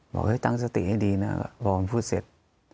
บอกให้ตั้งสติให้ดีนะพอมันพูดเสร็จ